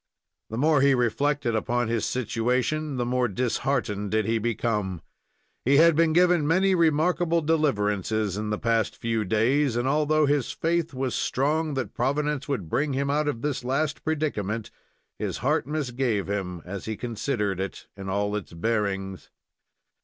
The more he reflected upon his situation, the more disheartened did he become. He had been given many remarkable deliverances in the past few days, and although his faith was strong that Providence would bring him out of this last predicament, his heart misgave him as he considered it in all its bearings.